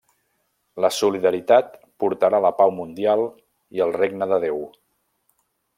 La solidaritat portarà la pau mundial i el Regne de Déu.